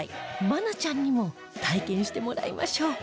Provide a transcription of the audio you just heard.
愛菜ちゃんにも体験してもらいましょう